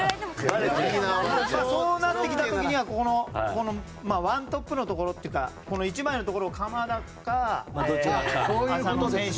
そうなってきた時には１トップのところっていうか１枚のところを鎌田か浅野選手